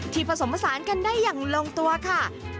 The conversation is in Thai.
ผสมผสานกันได้อย่างลงตัวค่ะ